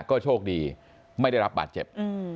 ก็โชคดีไม่ได้รับบาดเจ็บ